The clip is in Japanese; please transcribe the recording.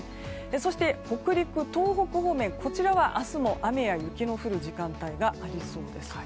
そして北陸、東北方面は明日も雨や雪の降る時間帯がありそうです。